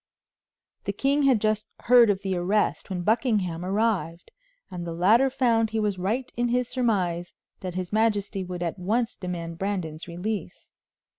The king had just heard of the arrest when Buckingham arrived, and the latter found he was right in his surmise that his majesty would at once demand Brandon's release.